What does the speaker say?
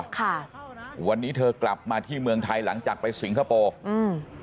ค่ะวันนี้เธอกลับมาที่เมืองไทยหลังจากไปสิงคโปร์อืม